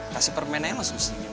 kasih permen aja langsung senyum